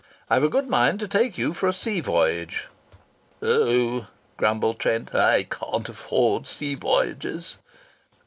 I've a good mind to take you for a sea voyage." "Oh!" grumbled Trent. "I can't afford sea voyages."